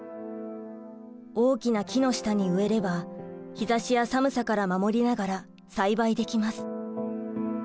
大きな木の下に植えれば日ざしや寒さから守りながら栽培できます。